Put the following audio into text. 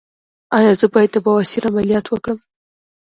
ایا زه باید د بواسیر عملیات وکړم؟